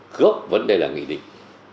góp vấn đề là nghị định